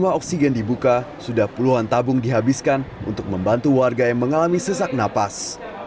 selama oksigen dibuka sudah puluhan tabung dihabiskan untuk membantu warga yang mengalami sesak napas